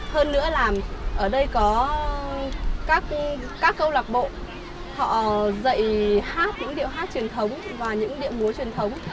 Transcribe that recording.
hơn nữa là ở đây có các câu lạc bộ họ dạy hát những điệu hát truyền thống và những điệu múa truyền thống